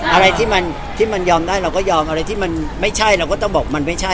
อะไรที่มันที่มันยอมได้เราก็ยอมอะไรที่มันไม่ใช่เราก็ต้องบอกมันไม่ใช่